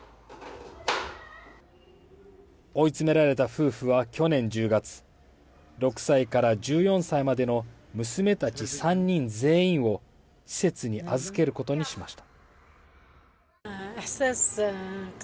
追い詰められた夫婦は去年１０月、６歳から１４歳までの娘たち３人全員を、施設に預けることにしました。